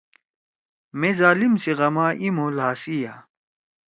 مے ظالم سی غما ای مھو لھاسیا۔